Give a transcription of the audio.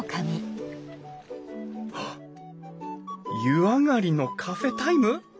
湯上がりのカフェタイム？